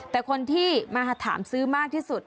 แต่คนที่มาถามซื้อมากที่สุด